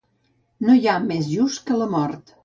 No hi ha més just que la mort.